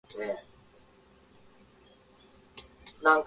重力をも含めた統一理論の構築